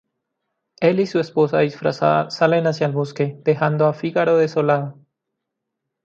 Él y su esposa disfrazada salen hacia el bosque, dejando a Fígaro desolado.